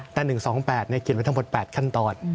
แต่๑๒๘เขียนไว้ทั้งหมด๘ขั้นตอน